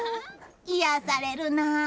癒やされるなあ。